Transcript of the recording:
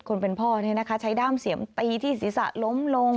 คนเป็นพ่อใช้ด้ามเสียมตีที่ศีรษะล้มลง